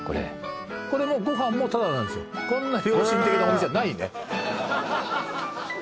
これご飯もタダなんですよこんな良心的なお店はないね